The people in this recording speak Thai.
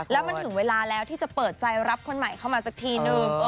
แล้วมันถึงเวลาแล้วที่จะเปิดใจรับคนใหม่เข้ามาสักทีนึง